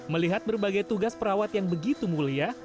melihat berbagai tugas perawat yang begitu mulia